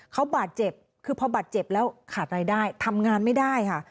เขาบาดเจ็บคือพอบาดเจ็บแล้วขาดรายได้ทำงานไม่ได้ค่ะ